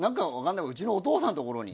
うちのお父さんのところに。